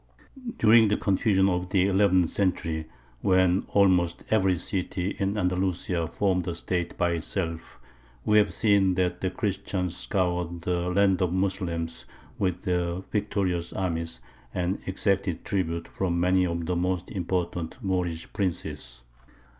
During the confusion of the eleventh century, when almost every city in Andalusia formed a State by itself, we have seen that the Christians scoured the land of the Moslems with their victorious armies, and exacted tribute from many of the most important Moorish princes.